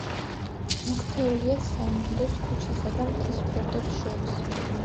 მოქცეულია საინგილოს ქუჩასა და მთის ფერდობს შორის.